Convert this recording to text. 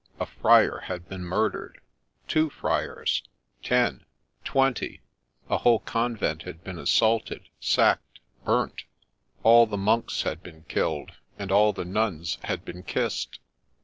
A friar had been murdered, — two friars — ten — twenty ; a whole convent had been assaulted, sacked, burnt, — all the monks had been killed, and all the nuns had been kissed